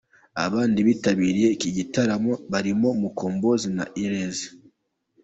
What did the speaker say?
Abandi bitabiriye iki gitaramo barimo Mukombozi na Ellys.